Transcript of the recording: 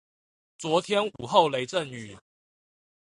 昨天午後雷陣雨